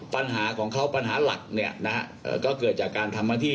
ปัญหาของเขาปัญหาหลักเนี่ยนะฮะก็เกิดจากการทำหน้าที่